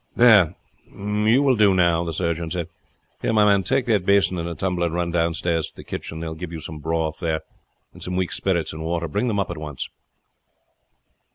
"There, you will do now," the surgeon said. "Here, my man, take that basin and a tumbler and run downstairs to the kitchen. They will give you some broth there and some weak spirits and water. Bring them up at once."